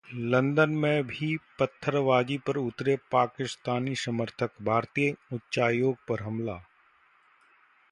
London में भी पत्थरबाजी पर उतरे पाकिस्तानी समर्थक, भारतीय उच्चायोग पर हमला